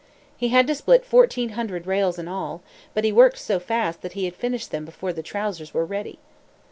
He had to split fourteen hundred rails in all; but he worked so fast that he had finished them before the trousers were ready.